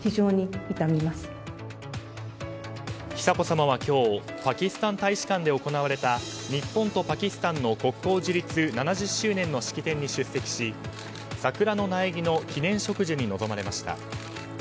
久子さまは今日パキスタン大使館で行われた日本とパキスタンの国交樹立７０周年の式典に出席し桜の苗木の記念植樹に臨まれました。